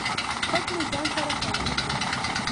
پټ مې ځان سره خوندي کړل